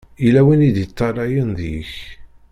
Yella win i d-iṭṭalayen deg-k.